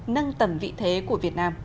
nâng tầm vị thế của việt nam